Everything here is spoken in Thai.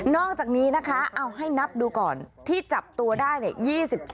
อกจากนี้นะคะเอาให้นับดูก่อนที่จับตัวได้เนี่ย